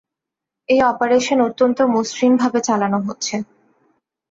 এই অপারেশন অত্যন্ত মসৃণভাবে চালানো হচ্ছে।